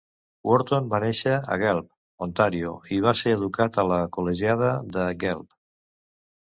Worton va néixer a Guelph, Ontario, i va ser educat a la Col·legiada de Guelph.